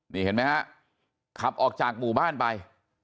นี่เห็นไหมฮะขับออกจากหมู่บ้านไป